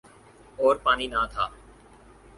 اور پانی نہ تھا۔